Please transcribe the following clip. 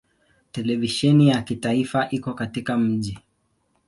Televisheni ya kitaifa iko katika mji.